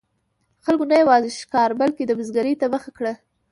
خلکو نه یوازې ښکار، بلکې د بزګرۍ ته مخه کړه.